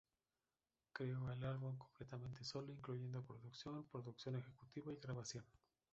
Creó el álbum completamente solo, incluyendo producción, producción ejecutiva y grabación.